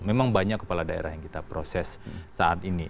memang banyak kepala daerah yang kita proses saat ini